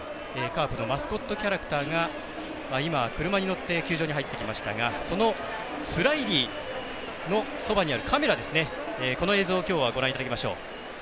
カープのマスコットキャラクターが車に乗って球場に入ってきましたがそのスラィリーのそばにあるカメラ、この映像をきょうはご覧いただきましょう。